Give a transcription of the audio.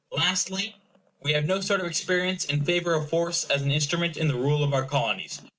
Lastly, we have no sort of experience in favor of force as an instrument in the rule of our Colonies.